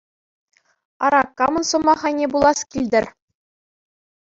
Ара, камӑн сӑмах айне пулас килтӗр?